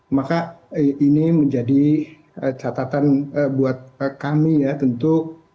maka ini menjadi catatan buat kami ya tentu